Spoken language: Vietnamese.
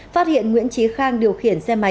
phát hiện nguyễn trí khang điều khiển khai báo hải quan